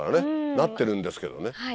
なってるんですけどね。